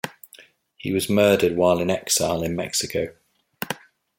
He was murdered while in exile in Mexico.